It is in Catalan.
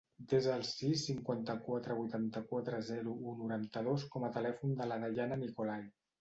Desa el sis, cinquanta-quatre, vuitanta-quatre, zero, u, noranta-dos com a telèfon de la Dayana Nicolae.